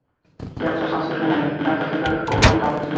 কী আপসোস আজ শশীর মনে, কী আত্মধিক্কার কারো তো বুঝিবার নয়।